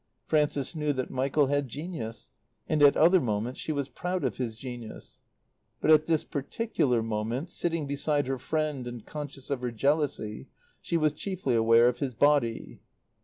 Frances knew that Michael had genius, and at other moments she was proud of his genius; but at this particular moment, sitting beside her friend and conscious of her jealousy, she was chiefly aware of his body.